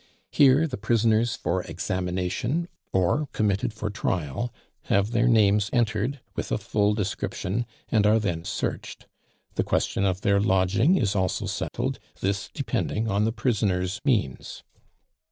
Here the prisoners for examination, or committed for trial, have their names entered with a full description, and are then searched. The question of their lodging is also settled, this depending on the prisoner's means.